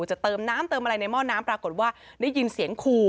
จะเติมน้ำเติมอะไรในหม้อน้ำปรากฏว่าได้ยินเสียงขู่